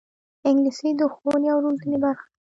انګلیسي د ښوونې او روزنې برخه ده